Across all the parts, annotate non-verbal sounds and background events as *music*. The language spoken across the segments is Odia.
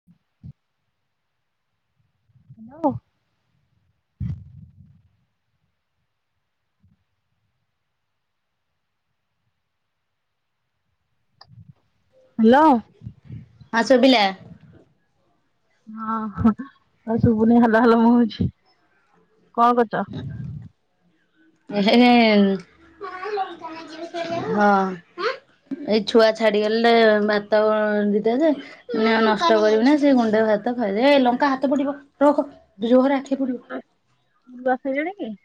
*unintelligible* ହ୍ୟାଲୋ। ହ୍ୟାଲୋ। ହଁ ଶୁଭିଲା। ହଁ ଆଉ ଶୁଭୁନି ହାଲୋ ହାଲୋ ମୁଁ ହଉଛି। କଣ କରୁଚ? ଏ ହେ ହେ ହଁ। ଏଇ ଛୁଆ ଛାଡିଗଲେ ଭାତ ଦିଟା ଯେ ନଷ୍ଟ କରିବି ନା ସେ ଗୁଣ୍ଡେ ଭାତ ଖାଇ ଦେ ଏ ଲଙ୍କା ହାତ ପୋଡିବ ରଖ ଜୋର ରେ ଆଖି ପୋଡିବ। ବୁଆସଇିଲାଣି କି?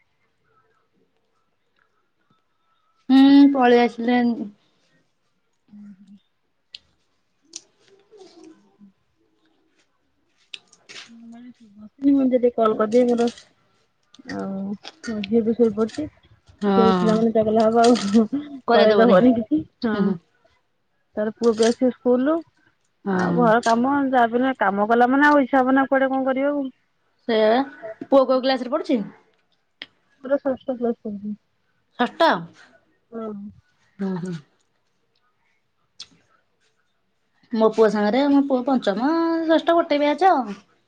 ହୁଁ ପଳେଇ ଆସିଲେନ୍। ହୁଁ ହୁଁ। ମୁଁ ମାନେ ସମସ୍ତେ ଯଦି କଲ୍ କରିଦିଏ ମୋର ଆଉ ମୋ ଝିଅ ବି ଶୋଇ ପଡିଚି। ସେ ହଁ ଉଠିଲା ମାନେ ଚଗଲା ହବ ଆଉ କରେଇଦବନି କିଛି। ହୁଁ ହୁଁ ତାରେ ପୁଅ ବି ଆସିବ ସ୍କୁଲରୁ ଆଉ ହଁ ଘର କାମ ଯା ବି ହେଲେ କାମ କଲା ମାନେ ଆଉ ଇ ଇଛା ହବ ନା କୁଆଡେ କଣ କରିବାକୁ। ସେଇବା ପୁଅ କୋଉ କ୍ଲାସ ରେ ପଡୁଚି? ପୁଅର ଷଷ୍ଠ କ୍ଲାସ *inaudible* ଷଷ୍ଠ ହଁ ହୁଁ ହୁଁ। ମୋ ପୁଅ ସାଙ୍ଗରେ ମୋ ପୁଅ ପଞ୍ଚମ, ଷଷ୍ଠ ଗୋଟେ ବ୍ୟାଚ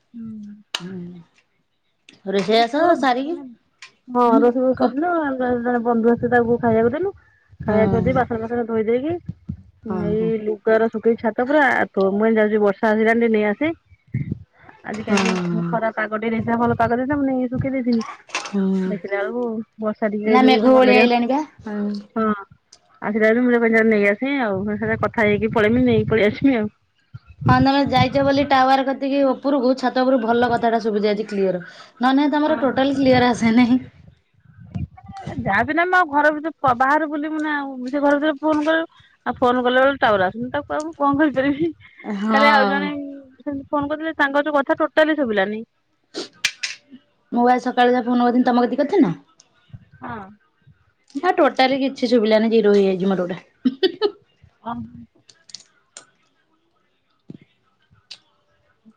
ହୁଁ। ହୁଁ। ମୋ ପୁଅର ମାନେ ହଁ ହୁଁ ରୋଷେଇ ବାସ କ ସାରିଲୁ ଅଲଗା ଜଣେ ବନ୍ଧୁ ଆସିଥିଲେ ତାଙ୍କୁ ଖାଇବାକୁ ଦେଲୁ। ହଁ ଖାଇବା ପିଇବା ଦେଇ ବାସନ ଫାସନ ଧୋଇ ଦେଇକ ହଁ ଏଇ ହଁ ଲୁଗାରା ଶୁଖେଇ ଛାତ ପୁରା ତ ମୁଁ ଏ ଯାଉଛି ବର୍ଷା ଆସିିଲାଣି ନେଇ ଆସେ। ଆଜି କାଇଁ ଟିକେ ଖରା ପାଗ ଟେ ଦେଇ ଥିଲା ଭଲ। ପାଗ ଦେଇଥିଲା ମୁଁ ନେଇ ସୁଖେଇ ଦେଇଥିଲି। ହଁ ହୁଁ ଦେଖିଲା ବେଳକୁ ବର୍ଷା ଟିକେ ନା ଯୋଉ ମେଘ ଓଳି ଅନ୍ଧାରିଆ ଆଇଲାଣି ବା ହଁ। ଆସିଲା ବେଳକୁ ମୁଁ ର ନେଇ ଆସେ ଆଉ ସୋ କଥା ହେଇକି ପଳେଇି ନେଇ ପଳେ ଆସେ ଆଉ। ହଁ ତମେ ଯାଇଛ ବୋଲି ଟାୱାର କତିକି ଉପରକୁ ଛାତ ଉପରୁ ଭଲ କଥା ଟା ସୁବିଚି ଆଜି କ୍ଲିଅର। ନଲେ ନାହିଁ ତମର ଆଉ। ଟୋଟାଲ୍ କ୍ଲିୟର ଆସେ ନାହିଁ। ଯାହାବି ନା ମୁଁ ଆଉ ଘର ଭିତରେ ବାହରେ ବୁଲିବୁ ନା ଆଉ ସେ ଘର ଭିତରେ ଫୋନ କରିବୁ। ଆଉ ଫୋନ କଲା ବେଳକୁ ଟାୱାର ଆସୁନି ତାକୁ ଆଉ ମୁଁ କଣ କରିପାରିବି। ହଁ। କାଲି ଆଉ ଜଣେ ସେମିତି ଫୋନ କରିଥିଲେ ତାଙ୍କର ଯୋଉ କଥା ଟୋଟାଲି ଶୁଭିଲାନି। ମୁଁ ବା ସକାଳୁ ଯାହା ଫୋନ କରିଥିନି ତମ କତିିକି କରିଥିନି ନା? ହଁ। ହେ ଟୋଟାଲି କିଛି ସୁଭିଲାନି ଜିରୋ ହେଇଯାଇଚି ମୋର ଗୋଟେ। ଅହ।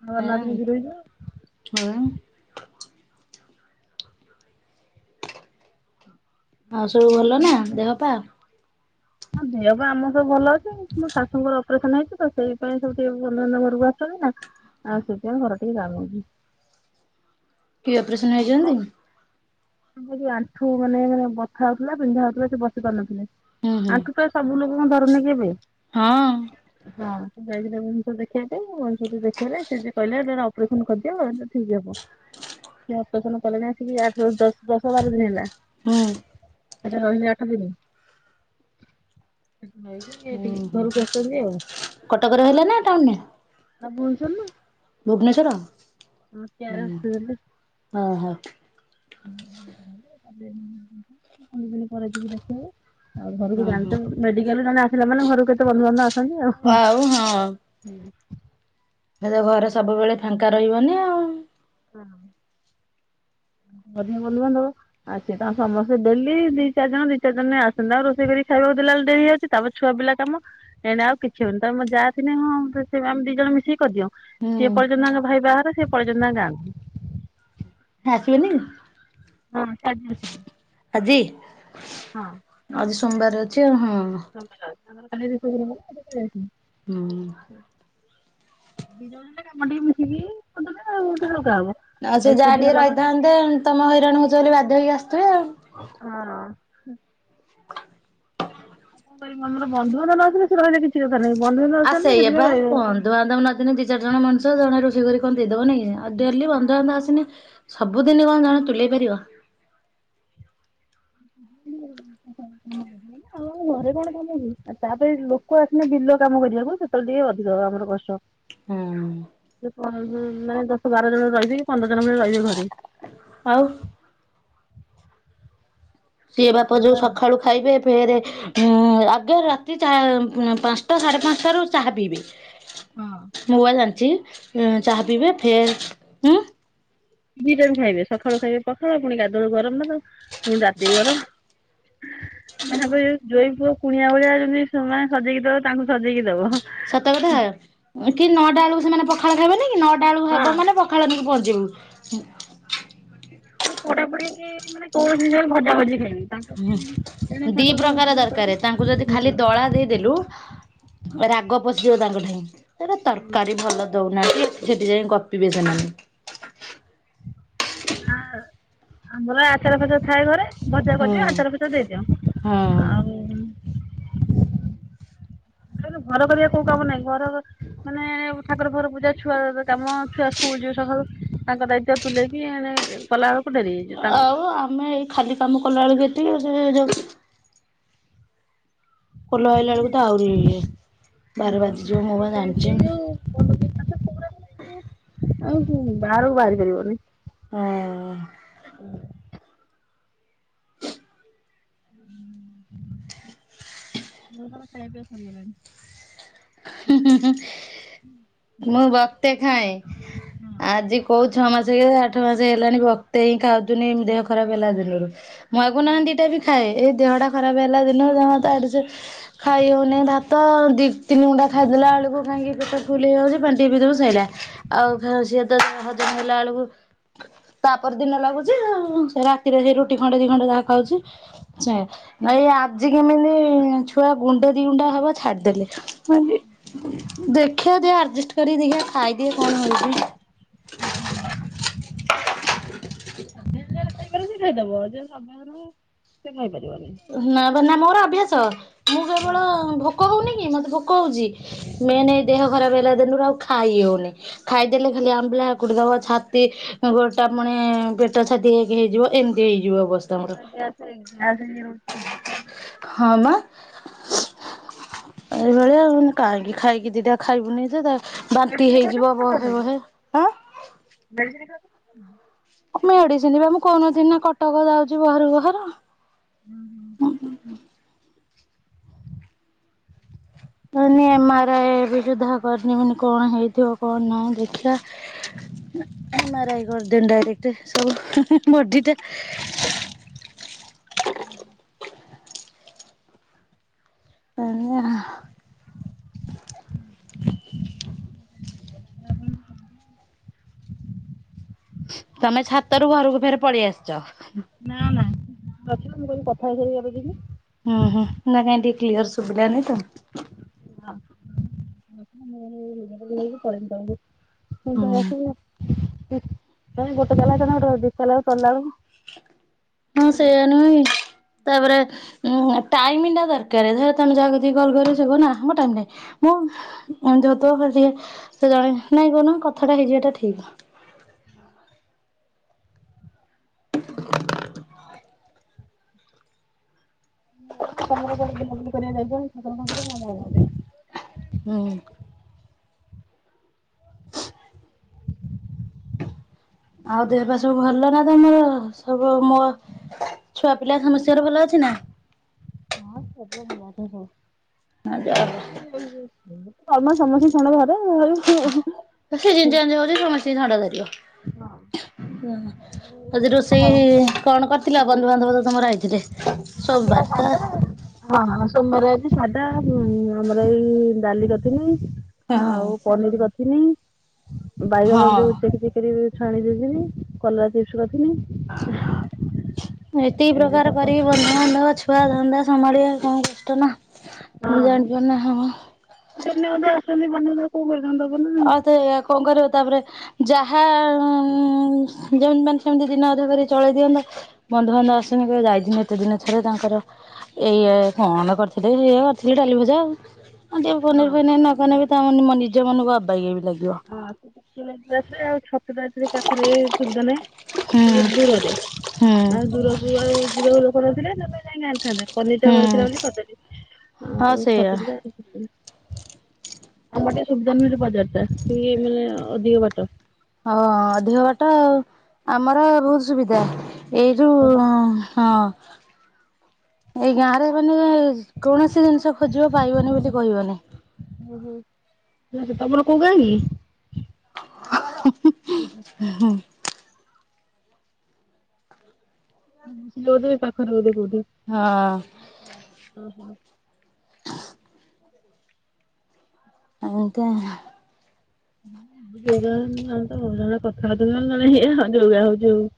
ଏଇ ହଁ ବା। ଆଉ ସବୁ ଭଲ ନା ଦେହ ପା। ହଁ ଦେହ ପାଇଁ ଆମର ସବୁ ଭଲ ଅଛି ମୋ ଶାଶୁଙ୍କର ଅପରେସନ ହେଇଛି ତ ସେଇ ପାଇଁ ସବୁ ଟିକେ ବନ୍ଧୁ ବାନ୍ଧବ ଘରକୁ ଆସୁଚନ୍ତି ନା। ଆଉ ସେଥିପାଇଁ ଘର ଟିକେ ଜାମ ହଉଚି। କି ଅପରେସନ୍ ହେଇଛନ୍ତି? ଆ ଯୋଉ ଆଣ୍ଠୁ ମାନେ ବଥା ହଉଥିଲା ପିନ୍ଧା ହଉଥିଲା ସେ ବସି ପାରୁନଥିଲେ ହୁଁ ହୁଁ। ଆଣ୍ଠୁ ତ ସବୁ ଲୋକଙ୍କୁ ଧରୁନିକି ଏବେ। ହଁ। ହଁ ସେ ଯାଇଥିଲେ ଭୁବନେଶ୍ୱର ଦେଖେଇବା ପାଇଁ ଭୁବନେଶ୍ଵର ଦେଖେଇଲେ ସେ ଯେ କହିଲେ ଏ ଅପରେସନ କରିଦିଅ ଠିକ ହବ। ସେ ଅପରେସନ କଲେଣି ଆସିକି ଆଠ ଦଶ ଦଶ ବାର ଦିନ ହେଲା। ହୁଁ। ହେଠେ ରହି ଯା ଆଠ ଦିନି। ହେଠୁ ନେଇକି ଏଠିକି ଘରକୁ ଆସୁଚନ୍ତି ଆଉ। କଟକ ରେ ହେଲା ନା ଟାଉନ୍ ରେ? ହେଟା ଭୁଲ ଶୁଣନୁ। ଭୁବନେଶ୍ୱର *unintelligible* ହଁ ହ। *unintelligible* ଆଉ ଘରକୁ ଓହୋ ଜାଣତେ ମେଡିକାଲ ରୁ ଜଣେ ଆସିଲା ମାନେ ଘରକୁ କେତେ ବନ୍ଧୁବାନ୍ଧବ ଆସନ୍ତି ଆଉ ହୁଁ। ହୁଁ। ହେଲେ ଘରେ ସବୁବେଳେ ଫାଙ୍କା ରହିବନି ଆଉଁ। ହଁ। ଗଧେ ବନ୍ଧୁ ବାନ୍ଧବ ଆସି ତ ସମସ୍ତେ ଡେଲି ଦି ଚାରି ଜଣ ଦିଇ ଚାରି ଜଣ ନାଖେ ଆସୁଚନ୍ତି। ତାଙ୍କୁ ରୋଷେଇ କରିକି ଖାଇବାକୁ ଦେଲାବେଳକୁ ଡ଼େରି ହେଇଯାଉଚି ତାପ ଛୁଆ ପିଲା କାମ ଏଣେ ଆଉ କିଛି ହବନି ତାପରେ ମୋ ଯା ଥିଲେ ହଁ ସେ ଆମେ ଦି ଜଣ ମିଶିକି କରିଦିଅଁ। ସିଏ ହୁଁ ପଳେଇଚନ୍ତି ତାଙ୍କ ଭାଇ ବାହାଘର ସେ ପଳେଇଚନ୍ତି ତାଙ୍କ ଗାଁ କୁ। ସେ ଆସିବେନି? ହଁ କାଜି ଆସିବେ। ଆଜି? ହଁ। ଆଜି ସୋମବାରେ ଅଛି ଆଉ ହଁ। *unintelligible* ହୁଁ। ଦି ଜଣ ହେଲେ କାମ ଟିକେ ମିଶିକି କରିଦେଲେ ଆଉ ଟିକେ ହାଲୁକା ହେବ ଆଉ ସେ ଯାହା ଏକୁଟିଆ ଟିକେ ହେଲା ମାନେ ରହିଥାନ୍ତେ ତମ ହଇରାଣ ହଉଚ ବୋଲି ବାଧ୍ୟ ହେଇକି ଆସଥୁବେ ଆଉ। ହଁ। ଆଉ କଣ କରିବି ମୁଁ ଆମର ବନ୍ଧୁବାନ୍ଧବ ନଆସିଲେ ସେ ରହିବା ରେ କିଛି କଥା ନାହିଁ ବନ୍ଧୁବାନ୍ଧବ ଆ ଆସୁଛନ୍ତି ତ ସେଇଆ ସେଥିପାଇଁ ପା ରହିହବନି। ବନ୍ଧୁବାନ୍ଧବ ନଆସିନେ ଦି ଚାରି ଜଣ ମଣିଷ ଜଣେ ରୋଷେଇ କରି କଣ ଦେଇଦବ ନାଇଁ କି ଆଉ ଡେଲି ରହିବେ ବନ୍ଧୁବାନ୍ଧବ ଆସିନେ ସବୁଦିନି କଣ ଜଣେ ତୁଲେଇ ପାରିବ? *inaudible* ତମ ଘରେ କଣ କାମ କି। ଆଉ ତାପରେ ଲୋକ ଆସିଲେ ବିଲ କାମ କରିବାକୁ ସେତେବେଳେ ଟିକେ ଅଧିକ ଆମର କଷ୍ଟ। ହୁଁ। ସେ ପନ୍ଦର ଦିନି ନାଖେ ଦଶ ବାର ଜଣ ରହିବି ପନ୍ଦର ଜଣ ପୁଣି ରହିବେ ଘରେ। ଆଉ ସିଏ ବାପ ଯୋଉ ସକାଳୁ ଖାଇବେ ଫେରେ ଉଁ ଆଗେ ରାତି ଚା ପାଁଶଟା ସାଢେ ପାଁଶଟାରୁ ଚାହା ପିଇବେ। ମୁଁ ବାଆ ଜାଣଚି ଏଁ ଚାହା ପିଇବେ ଫେର୍ ଉଁ ଦି ଟାଇମ୍ ଖାଇବେ ସଖାଳୁ ଖାଇବେ ପଖାଳ ଫୁଣି ଗଧୁଆବେଳକୁ ଗରମ ଭାତ ଫୁଣି ରାତି ବି ଗରମ ତାଙ୍କ ଯୋଉ ଜୋଇଁ ପୁଅ କୁଣିଆ ଭଳିଆ ଯେମିତି ସେମା ସଜେଇକି ଦବ ତାଙ୍କୁ ସଜେଇକି ଦବ ହଁ। ସତକଥା କି ନଅଟା ବେଳୁକୁ ସେମାନେ ପଖାଳ ଖାଇବେନି କି ନଅଟା ବେଳୁକୁ ହେବ ମାନେ ପଖାଳ ନେଇକି ପହଞ୍ଚିବୁ। ଫୁଣି ପୋଡ଼ା ପୋଡ଼ି କି ମାନେ କୌଣସି ଜିନିଷ ଗୋଟେ ଭଜା ଭଜି ଖାଇବି। ହୁଁ ଦି ପ୍ରକାର ଦରକାରେ କରିକି ତାଙ୍କୁ ଯଦି ଖାଲି ଦଳା ଦେଇଦେଲୁ ରାଗ ପଶିଯିବ ତାଙ୍କଠେଇଁ ଏରା ତରକାରୀ ଭଲ ଦଉ ନା ସେଠି ଯାଇ ଗପିବେ ସେମାନେ। ଆ ଆମର ଆଚାର ଫଚାର ଥାଏ ଘରେ। ଭଜା ହୁଁ। କରିଦିଅ ଆଚାର ପଚାର ହଁ ଦେଇଦିଅ ଆଉ କ ଘର କରିବା କୋଉ କାମ ନାହିଁ ଘର ମାନେ ଠାକୁର ଘର ପୂଜା ଛୁଆ ଦେବେ କାମ ଛୁଆ ସ୍କୁଲ ଯିବେ ସଖାଳୁ ତାଙ୍କ ଦାୟିତ୍ଵ ତୁଲେଇକି ଏ କଲା ବେଳକୁ ଡେରି ହେଇଯିବ ତାଙ୍କୁ। ଆଉ ଆମେ ଏଇ ଖାଲି କାମ କଲାବେଳକୁ ଏତି ଯୋଉ ଖୋଲ ଆଇଲା ବେଳକୁ ତ ଆହୁରି ଇଏ ବାର ବାଜିଯିବ ମୁଁ ପା ଜାଣିଛି। ଆ ବାହାରକୁ ବାହାରି ପାରିବନି। ହଁ। ମ ଖାଇବା ପିଇବା ସରିଗଲାଣି। ମୁଁ ବତେ ଖାଏ ଆଜି କୋଉ ଛଅ ମାସ ହେ ଆଠ ମାସ ହେଲାଣି ବତେ ହିଁ ଖାଉଥିନି ଦେହ ଖରାପ ହେଲା ଦିନରୁ ମୟାଗୁନାହାନ୍ତି ଟା ବି ଖାଏ ଏଇ ଦେହଟା ଖରାପ ହେଲା ଦିନ ଜଣ ତ ଆଡ ସେ ଖାଇ ହଉନି ଭାତ ଦ ତିନି ଗୁଣ୍ଡା ଖାଇଦେବେ ବଳକୁ କାହିଁକି ପେଟ ଫୁଲ ହେଇଯାଉଛି ପାଣି ଟିକେ ପିଲାବେଳୁ ସଇଲା। ଆଉ ସିଏ ତ ଦେ ହଜମ ହେଲା ବେଳକୁ ତାପର ଦିନ ଲାଗୁଛି ସେ ରାତିରେ ସେ ରୁଟି ଖଣ୍ଡେ ଦି ଖଣ୍ଡେ ଯାହା ଖାଉଛି। ଆଛା ଏଇ ଆଜି କେମିତି ଛୁଆ ଗୁଣ୍ଡ ଦି ଗୁଣ୍ଡା ହବ ଛାଡିଦେଲେ ହିଁ ଦେଖିଆ ଆଡଜଷ୍ଟ କରି ଦେଖିଆ ଖାଇଦିଏ କଣ ହଉଛି। *inaudible* ଖାଇପାର ସେ ଖାଇଦବ ସେ ଖାଇପାରିବନ *inaudible* ନା ବା ନା ମୋର ଅଭ୍ୟାସ ମୁଁ କେବଳ ଭୋକ ହଉନି କି ମତେ ଭୋକ ହଉଛି ମେନ ଦେହ ଖରାପ ହେଲା ଦିନରୁ ଆଉ ଖାଇ ହଉନି ଖାଇଦେଲେ ଖାଲି ଆମ୍ବିଳ ହାକୁଟି ଦେବ ଛାତି ଗୋଟାପଣେ ପେଟ ଛାତି ଏକ ହେଇଯିବ ଏମିତି ହେଇଯିବ ଅବସ୍ଥା ମୋର। *unintelligible* ହଁ ବା। ଏଭଳିଆ ଆଉ କାହିଁକି ଖାଇକି ଦିଟା ଖାଇବୁନି ତ ବାନ୍ତି ହେଇଯିବ ବହେ ବହେ। ଆଁ *unintelligible* ମେଡିସିନ କଣ ମୁଁ କହୁଥିଲି ନା କଟକ ଯାଉଛି ବାର ବାର। *inaudible* ନା ମୁଁ ଏମ ଆର ଆଇ କଲି ଦେଖିବା ପାଇଁ କାମ ଦେଇଛି ବୋଲି *unintelligible* *unintelligible* *unintelligible* *inaudible* ତମେ ଛାତରୁୁ ଘରକୁ ଫେର ପଳେଇ ଆସିଛ। ନା ନା ରଖିଲ ମୁଁ କହିଲି କଥା ହେଇସାରି ଯବ ଯିବି। ହୁଁ ହୁଁ ନା କାଇଁ ଟିକେ କ୍ଲିୟର ଶୁଭିଲା ନାଇଁ ତ। *unintelligible* ଗୋଟେ ତାଲା କି ହୁଁ ଦି ତାଲାଚ଼ଢ଼ିଲା ବେଳକୁ ମୁଣ୍ଡ ଖରାପ। ହଁ ସେଇଆ ନୁହେଁ କି *unintelligible* ତାପରେ ଉଁ ଟାଇମ ଟା ଦରକାର ତୁମେ ଯାହା ପାଖକୁ କଲ କରିବ ସେ କହିବ ମୋ ପାଖରେ ଟାଇମ ନାଇଁ। ଯେହେତୁଏ ସେ ଜଣେ ନାଇଁ କହୁହନ କଥାଟା ହେଇଯିବାଟା ଠିକ। ହଁ ତମର କଡେ ବୁଲାବୁଲି କରିବା ଯାଇଛଛ ପାଙ୍କରେ ମ ଯାଇନାହାନ୍ତି *unintelligible* ହୁଁ। ଆଉ ଦେହ ପା ସବୁ ଭଲ ନା ତମର ସବୁ ମୋ ଛୁଆ ପିଲା ସମସ୍ତିଙ୍କର ଭଲ ଅଛି ନା? ହଁ ଛୁଆପିଲା ଭଲ ଅଛନ୍ତି ସବୁ। *unintelligible* ହଁ ମ ସମସ୍ତିଙ୍କୁ ଥଣ୍ଡା ଧରେ ସେ *unintelligible* ହଉଛି ସମସ୍ତିଙ୍କି ଥଣ୍ଡା ଧରିବ। ଆଜି ରୋଷେଇ କଣ କରିଥିଲ? ବନ୍ଧୁବାନ୍ଧବ ତ ତମର ଆଇଥିଲେ। ଆଜିର ସୋମବାର ତ ସାଧା ଆଉ। ହଁ ହଁ ସୋମବାର ଆଜି ସାଧା ଆମର ଏଇ ଡାଲି କରିଥିଲି ହଁ ଆଉ ପନିର କରିଥିନି ବାଇଗଣ ଯୋଉ ହଁ। ଚେକି ଚେକି କରି ଛାଣି ଦେଇଥିନି କଲରା ଚିପ୍ସ କରିଥିନି। ଏତିକି ଏମିତି ପ୍ରକାର ତ କ- କରିକି ବ ନୂଆ ନୂଆ ଛୁଆ ଧନ୍ଦା ସମ୍ଭାଳିବା କମ କଷ୍ଟ ନା ମୁଁ ହଁ ଜାଣିପାରୁ ନା ହଁ ଦିନେ ଅଧେ ଆସୁଛନ୍ତି ବନ୍ଧୁବାନ୍ଧବ କୋଉ *unintelligible* ଆଉତ ଏୟା କଣ କରିବ ତାପରେ ଯାହା ଯେମତି ମାନେ ସେମିତି ଦିନେ ଅଧେ କରି ଚଳେଇ ଦିଅନ୍ତା ବନ୍ଧୁବାନ୍ଧବ *unintelligible* ଯାଇଛନ୍ତି ଏତେ ଦିନରେ ଥରେ ତାଙ୍କର ଏୟା *unintelligible* *unintelligible* କରିଥିଲି ଡାଲି ଭଜା ଆଉ ହଁ *unintelligible* ଅବାଗିଆ ବି ଲାଗିବ। ହଁ ସେ ରାତିରେ *unintelligible* ଛତୁ *unintelligible* ପାଖରେ ସୁବିଧା ନାହିଁ। ଟିକେ ହୁଁ ଦୂରରେ ହୁଁ। ଆଉ ଦୂରକୁ ଆଉ ଯିବାକୁ ଲୋକ ନଥିଲେ ନହେଲେ ଯାଇକି ଆଣିଥାନ୍ତେ। ପନିର ଟା ହୁଁ ଘରେ ଥିଲା ବୋଲି କରଦେଲି ହଁ ଆଉ ସେଇଆ ଛତୁ *unintelligible* ଆମଟେ ସୁବିଧାମି ବଜାରଟା କି ସେଇ ମାନେ ଅଧିକ ବାଟ। ହଁ ଅଧିକ ବାଟ ଆଉ ଆମର ରୁଟ ସୁବିଧା ଏଇ ଯୋଉ ହଁ। ହଁ ହଁ। ଏଇ ଗାଁରେ ମାନେ କୌଣସି ଜିନିଷ ଖୋଜିବ ପାଇବନି ବୋଲି କହିବନି। ହୁଁ ହୁଁ ତମର କୋଉ ଗାଆଁ କି? ହୁଁ ହୁଁ। *inaudible* ହଁ। *unintelligible* ପାଖରେ ବୋଧେ କୋଉଠି? ହଁ। *inaudible* ଆଜ୍ଞା। *unintelligible* ଯୋଉ ଭଳିଆ ହଉଚି ହଉ।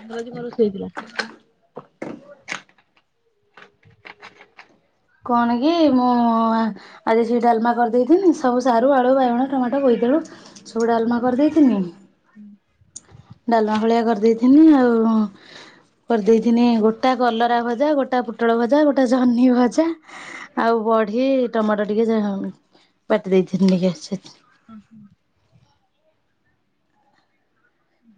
ତମର ଆଜି କଣ ରୋଷଇ ହେଇଥିଲା। କଣ କି ମୁଁ ଆ ଆଜି ସେଇ ଡାଲମା କରିଦେଇଥିନି ସବୁ ସାରୁ ଆଳୁ ବାଇଗଣ ଟମାଟୋ ବୋଇଦାଳୁ ସବୁ ଡାଲମା କରିଦେଇଥନି। ହୁଁ ଡାଲମା ଭଳିଆ କରିଦେଇଥିଲି ଆଉ। କରିଦେଇଥିନି ଗୋଟା କଲରା ଭଜା ଗୋଟା ପୋଟଳ ଭଜା ଗୋଟା ଜହ୍ନି ଭଜା। ଆଉ ବଢି ଟମାଟୋ ଟିକେ ବାଟି ଦେଇଥିଲି ଟିକେ ସେ। *inaudible*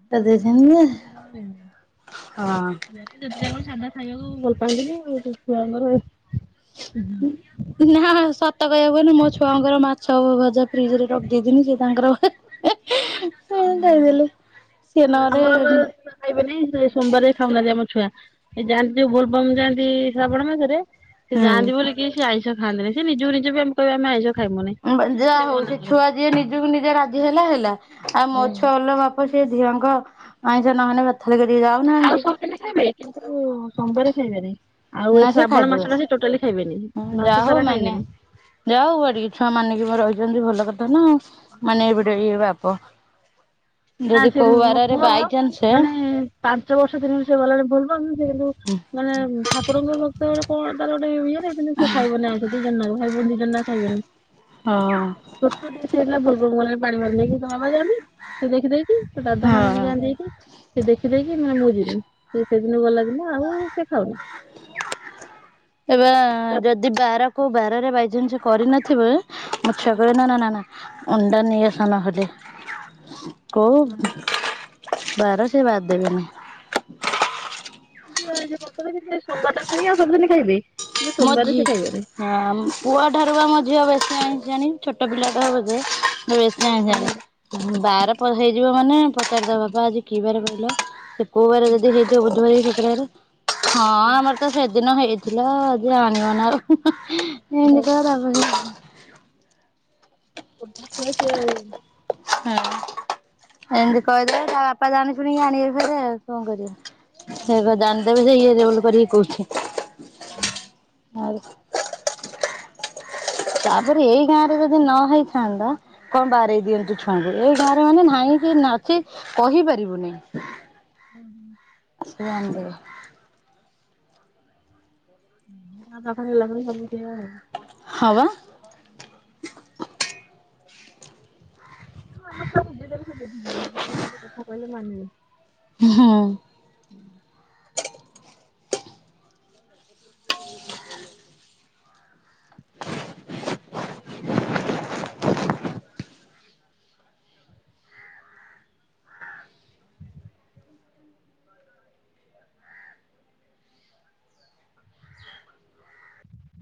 *unintelligible* ହଁ। ଛୁଆ ତ ଯେତେ ଯାହା କଲେ ସାଧା ଖାଇବାକୁ ଭଲ ପାଆନ୍ତିନି ଆଉ ସେ ଛୁଆଙ୍କର ନା ସତ କଯିବାକୁ ଗଲେ ମୋ ଛୁଆଙ୍କର ମାଛ ଭଜା ଫ୍ରିଜରେ ରଖିଦେଇଥିବି ସେ ତାଙ୍କର ସେ ଦେଇଦେଲୁ ସିଏ ନ ହଲେ ଆମର ବା ଖାଇବେନି ସେ ସୋମବାରେ ଖାଉନାହାନ୍ତି ଆମ ଛୁଆ। ଏ ଯାଆନ୍ତି ଯୋଉ ବୋଲ ବମ୍ ଯାଆନ୍ତି ଶ୍ରାବଣ ମାସେରେ ସେ ହୁଁ ଯାଆନ୍ତି ବୋଲି କି ସିଏ ଆଇଁଷ ଖାଆନ୍ତିିନି ସିଏ ନିଜୁକୁ ନିଜେ ବି ଆମେ କହିବେ ଆମେ ଆଇଁଷ ଖାଇବୁନି ବା ଯା ହଉ ମନା ସେ କରନ୍ତି। ଛୁଆ ଯିଏ ନିଜୁକୁ ନିଜେ ରାଜି ହେଲା ହେଲା ଆଉ ମୋ ଛୁଆ ଅଲଗା ଆଉ ସେ ଝିଅଙ୍କ ଆଇଁଷ ନହେନେ ଭାତ ଥାଳି କତିକି ଯାଉନାହାନ୍ତି। *unintelligible* ଖାଇବେ କିନ୍ତୁ ସୋମବାରେ ଖାଇବେନି। ଆଉ ନା ଏଇ ସେ ଶ୍ରାବଣ ଖାଇଦେବେ। ମାସଟା ସେ ଟୋଟାଲି ଖାଇବେନି ହଁ ଯା ମାସ ହଉ ସାରା ମାନେ ଖାଇବେନି। ଯା ହଉ ବାଡିକି ଛୁଆ ମାନିକି‌ ବା ରହିଛନ୍ତି ଭଲ କଥା ନା ଆଉ। ମାନିଆକୁ ପଡିବ ଇଏ ବାପ ନା ଯଦି ସେ କୋଉ ମୋ ବାରରେ ପୁଅ ବାଇଚନ୍ସ ମାନେ ପାଞ୍ଚ ବର୍ଷ ତିନି ବର୍ଷ ଗଲାବେଳେ ଭଲ *unintelligible* କିନ୍ତୁ ମାନେ ଠାକୁରଙ୍କ ସେତେବେଳେ କଣ ଗୋଟେ କଣ ତାର ଇଏ *unintelligible* ସେ ଖାଇବ ନି ଆଇଁଷ ଦି ଜଣ ଯାକଁ ଭାଇ ଭଉଣୀ ଦି ଜଣ *unintelligible* ଖାଇବେନି। ହଁ ଛୋଟ ଟିକେ ସେ ହେଲା *unintelligible* ତା ବାବା ଯାଆନ୍ତି। ସେ ଦେଖିଦେଇଚି ତା ଦାଦା ମାନେ ବି ହଁ। ଯାଆନ୍ତି *unintelligible* ସେ ଦେଖିଦେଇକି ମାନେ ମୁଁ ଯିବିନି ସେ ସେଦିନ ଗଲା ଦିନ ଆଉ ସେ ଖାଉନି। ଏବା ଯଦି ବାରକୁ ବାରରେ ବାଇଚାନ୍ସ କରିନଥିବ ମୋ ଛୁଆ କହିବେ ନା ନା ନା ନା ଅଣ୍ଡା ନେଇ ଆସ ନହଲେ। କୋଉ ବାର ସେ ବାଦ୍ ଦେବେନି। ସୋମବାରଟା ଛାଡିକି ଆଉ ସବୁଦିନେ ଖାଇବି। ମୋ ଝି ହଁ ପୁଅ ଠାରୁ ବା ମୋ ଝିଅ ବେଶୀ ଆଇଁଷିଆଣି ଛୋଟ ପିଲାଟା *inaudible* *unintelligible* ବାର ହେଇଯିବ ମାନେ ପଚାରିଦେବ ଵାପା ଆଜି କି ବାରେ କହିଲ ସେ କୋଉ ବାରେ ଯଦି ହେଇ ବୁଧୁବାରେ କି ଶୁକ୍ରବାରେ ହଁ ଆମର ତ ସେଦିନ ହେଇଥିଲା *unintelligible* ଏମତି କହିବ ତାପରେ ହଁ ଛୋଟଛୁଆ ସିଏ ଆଉ ହଁ ଏମତି କହିଦେବେ ତା ବାପା ଜାଣି ଶୁଣିକି ଆଣିବେ ଫେରେ ଆଉ କଣ କରିବେ। ସେଇପା ଜାଣିଦେବେ ଯେ ଇଏ ରୋଲ କରିକି କହୁଚି। *inaudible* ତାପରେ ଏଇ ଗାଁ ରେ ଯଦି ନ ହେଇଥାନ୍ତା କଣ ବାଆଁରେଇ ଦିଅନ୍ତି ଛୁଆଙ୍କୁ ଏଇ ଗାଁରେ ମାନେ ନାହିଁ କି ନାଚି କହିପାରିବୁନି। ଉଁହୁଁ। ସେ ଜାଣିଦେବେ *unintelligible* ହବା। *unintelligible* ହୁଁ।